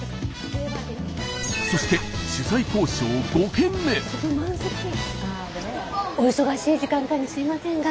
そしてお忙しい時間帯にすいませんが。